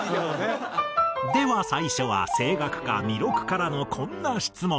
では最初は声楽家彌勒からのこんな質問。